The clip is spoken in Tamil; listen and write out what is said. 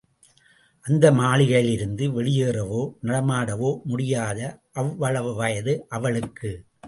அந்த மாளிகையிலிருந்து வெளியேறவோ, நடமாடவோ முடியாத அவ்வளவு வயது அவளுக்கு.